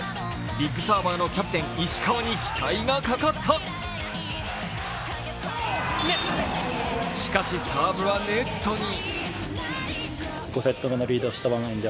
ビッグサーバーのキャプテン・石川に期待がかかったしかし、サーブはネットに。